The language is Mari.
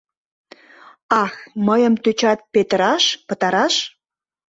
«Ах, мыйым тӧчат петыраш, пытараш?